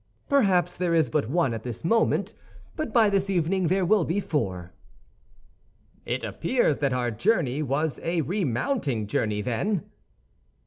"Perhaps there is but one at this moment; but by this evening there will be four." "It appears that our journey was a remounting journey, then?"